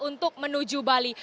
untuk menuju bali